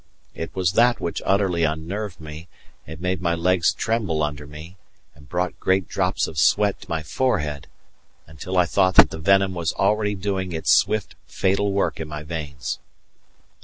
It was that which utterly unnerved me, and made my legs tremble under me, and brought great drops of sweat to my forehead, until I thought that the venom was already doing its swift, fatal work in my veins.